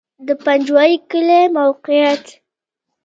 د پنجوایي کلی موقعیت